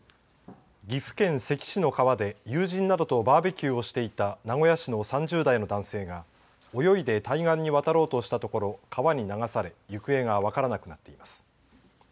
岐阜県関市の川で友人などとバーベキューをしていた名古屋市の３０代の男性が泳いで対岸に渡ろうとしたところ川に流され行方が分からなくなっています。